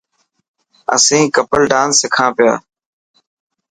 اسين ڪپل ڊانس سکان پيا